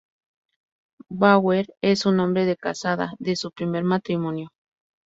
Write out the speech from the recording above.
Bauer es su nombre de casada, de su primer matrimonio.